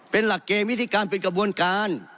เป็นหลักเกณฑ์วิธีการเป็นกระบวนการ